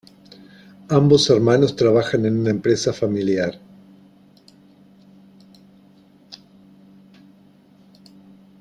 Ambos hermanos trabajan en una empresa familiar.